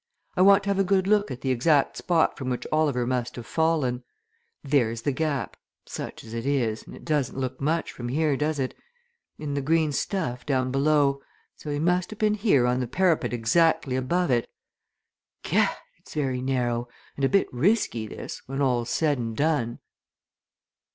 "I want to have a good look at the exact spot from which Oliver must have fallen. There's the gap such as it is, and it doesn't look much from here, does it? in the green stuff, down below, so he must have been here on the parapet exactly above it. Gad! it's very narrow, and a bit risky, this, when all's said and done!"